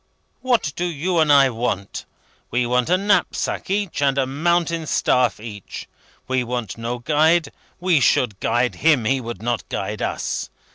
What do you and I want? We want a knapsack each, and a mountain staff each. We want no guide; we should guide him; he would not guide us.